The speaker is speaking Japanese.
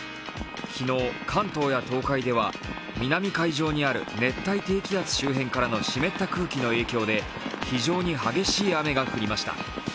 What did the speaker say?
昨日、関東や東海では南海上にある熱帯低気圧周辺からの湿った空気の影響で非常に激しい雨が降りました。